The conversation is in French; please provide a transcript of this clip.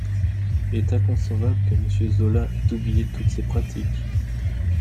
Il est inconcevable que Monsieur Zola ait oublié toutes ces pratiques.